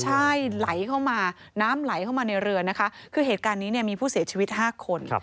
ใช่ไหลเข้ามาน้ำไหลเข้ามาในเรือนะคะคือเหตุการณ์นี้เนี่ยมีผู้เสียชีวิต๕คน